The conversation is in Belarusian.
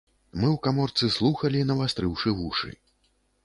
Мы ў каморцы слухалі, навастрыўшы вушы.